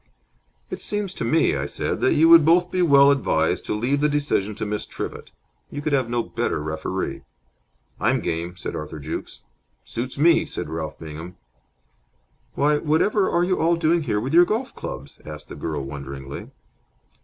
"It seems to me," I said, "that you would both be well advised to leave the decision to Miss Trivett. You could have no better referee." "I'm game," said Arthur Jukes. "Suits me," said Ralph Bingham. "Why, whatever are you all doing here with your golf clubs?" asked the girl, wonderingly.